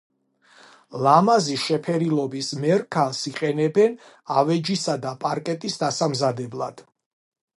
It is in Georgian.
ლამაზი შეფერილობის მერქანს იყენებენ ავეჯისა და პარკეტის დასამზადებლად.